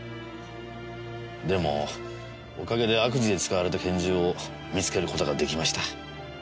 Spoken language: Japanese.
でもおかげで悪事で使われた拳銃を見つける事が出来ました。